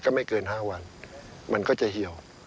ไม่เกิน๕วันมันก็จะเหี่ยว